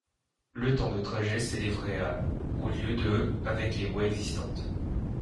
Le temps de trajet s'élèverait à au lieu de avec les voies existantes.